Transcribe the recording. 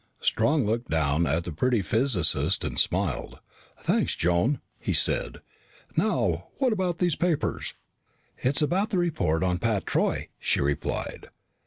Strong looked down at the pretty physicist and smiled. "Thanks, Joan," he said. "Now, what about these papers?" "It's about the report on Pat Troy," she replied.